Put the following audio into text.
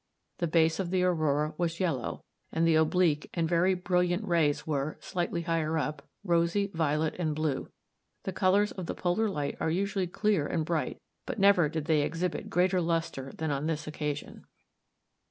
The base of the aurora was yellow, and the oblique and very brilliant rays were, slightly higher up, rosy, violet, and blue. The colors of the polar light are usually clear and bright, but never did they exhibit greater luster than on this occasion.